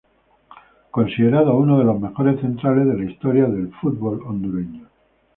Considerado uno de los mejores centrales de la historia del fútbol hondureño.